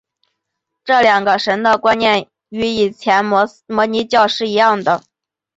这两个神的观念与以前的摩尼教是一样的。